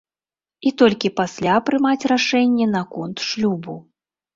І толькі пасля прымаць рашэнне наконт шлюбу.